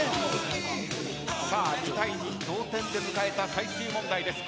２対２、同点で迎えた最終問題です。